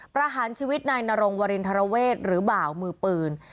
ประหารชีวิตนายนรงวรินทรเวศหรือบ่าวมือปืน